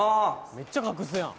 めっちゃ隠すやん